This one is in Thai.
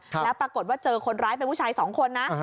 แล้วปรากฏว่าเจอคนร้ายเป็นผู้ชายสองคนนะ